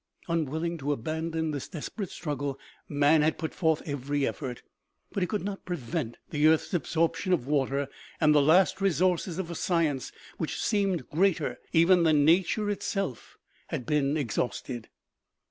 Unwilling to abandon this desper ate struggle, man had put forth every effort. But he could not prevent the earth's absorption of water, and the last resources of a science which seemed greater even than nature itself had been exhausted.